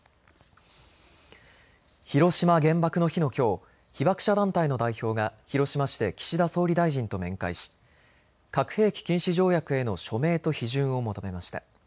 広島原爆の日のきょう被爆者団体の代表が広島市で岸田総理大臣と面会し核兵器禁止条約への署名と批准を求めました。